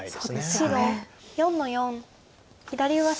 白４の四左上隅星。